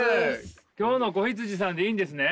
今日の子羊さんでいいんですね？